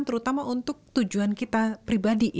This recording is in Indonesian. terutama untuk tujuan kita pribadi